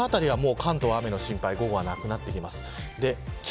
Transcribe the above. この辺りは関東、雨の中心はここなくなってきます。